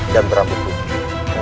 dan berambut putih